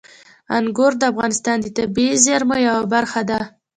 انګور د افغانستان د طبیعي زیرمو یوه برخه ده.